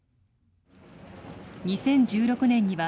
２０１６年には、